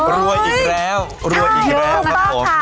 รัวอย่างเกียจร้าค่ะ